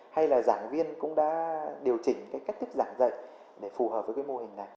hay là giảng viên cũng đã điều chỉnh cái cách thức giảng dạy để phù hợp với cái mô hình này